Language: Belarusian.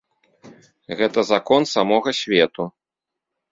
Гэта закон самога свету.